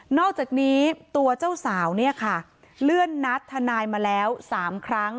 อกจากนี้ตัวเจ้าสาวเนี่ยค่ะเลื่อนนัดทนายมาแล้ว๓ครั้ง